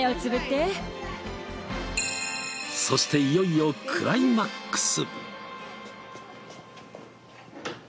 そしていよいよクライマックス。